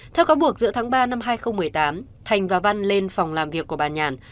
theo cáo buộc giữa tháng ba năm hai nghìn một mươi tám thành và văn lên phòng làm việc của bà nhàn